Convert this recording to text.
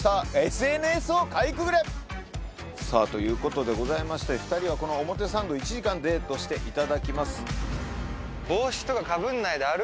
『ＳＮＳをかいくぐれ』ということでございまして２人はこの表参道１時間デートしていただきます。